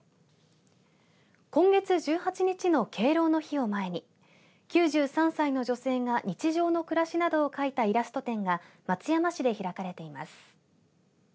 今月１８日の敬老の日を前に９３歳の女性が日常の暮らしなどを描いたイラスト展が松山市で開かれています。